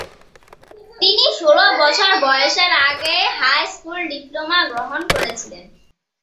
তিনি ষোল বছর বয়সের আগেই হাই-স্কুল ডিপ্লোমা গ্রহণ করেছিলেন।